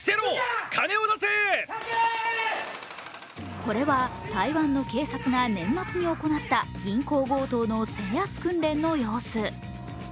これは台湾の警察が年末に行った銀行強盗の制圧訓練の様子。